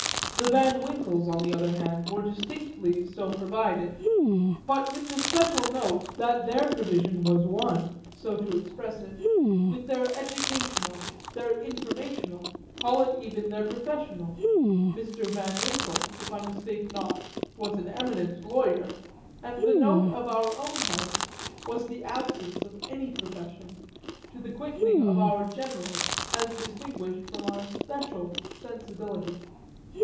The Van Winkles on the other hand were distinctly so provided, but with the special note that their provision was one, so to express it, with their educational, their informational, call it even their professional: Mr. Van Winkle, if I mistake not, was an eminent lawyer, and the note of our own house was the absence of any profession, to the quickening of our general as distinguished from our special sensibility.